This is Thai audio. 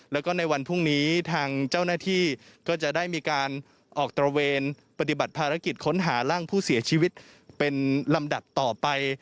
แล้วก็ในวันพรุ่งนี้ทางเจ้าหน้าที่ก็จะได้มีการออกตระเวนปฏิบัติภารกิจค้นหาร่างผู้เสียชีวิตเป็นลำดับต่อไป